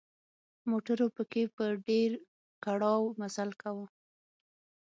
موټرو پکې په ډېر کړاو مزل کاوه.